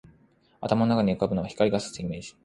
頭の中に浮ぶのは、光が射すイメージ